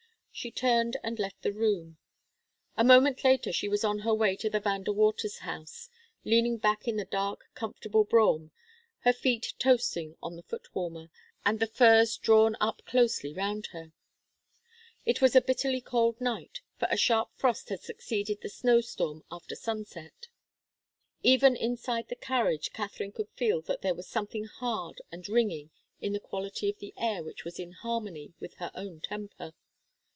She turned and left the room. A moment later she was on her way to the Van De Waters' house, leaning back in the dark, comfortable brougham, her feet toasting on the foot warmer, and the furs drawn up closely round her. It was a bitterly cold night, for a sharp frost had succeeded the snow storm after sunset. Even inside the carriage Katharine could feel that there was something hard and ringing in the quality of the air which was in harmony with her own temper.